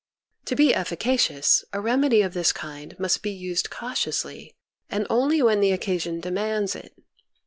To be efficacious, a remedy of this kind must be used cautiously, and only when the occasion demands it.